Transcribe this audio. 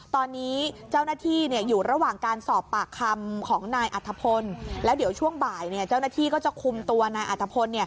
ตอนนี้เจ้าหน้าที่อยู่ระหว่างการสอบปากคำของนายอัธพลแล้วเดี๋ยวช่วงบ่ายเจ้าหน้าที่ก็จะคุมตัวนายอัตภพล